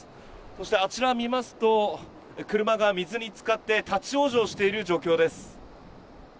そしてあちら見ますと、車が水につかって、立往生している状況です。